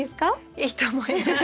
いいと思います。